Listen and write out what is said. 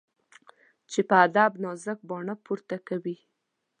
چي په ادب نازک باڼه پورته کوي